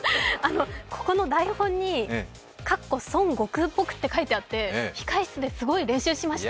ここの台本に「かっこ孫悟空っぽく」って書いてあって控え室ですごい練習しました。